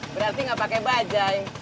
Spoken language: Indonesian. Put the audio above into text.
berarti gak pakai bajaj